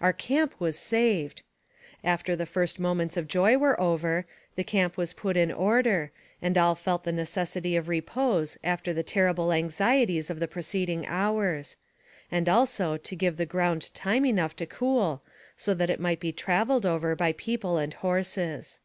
Our camp was saved ! After the first moments of joy were over, the camp was put in order, and all felt the necessity of repose, after the terrible anxieties of the preceding hours; and also to give the ground time enough to cool, so that it might be traveled over by people and horses.